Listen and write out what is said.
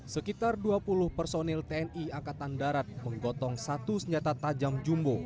sekitar dua puluh personil tni angkatan darat menggotong satu senjata tajam jumbo